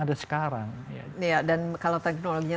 ada sekarang dan kalau teknologinya